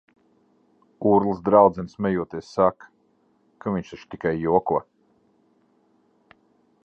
Urlas draudzene smejoties saka, ka viņš taču tikai joko.